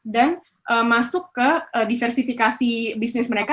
dan masuk ke diversifikasi bisnis mereka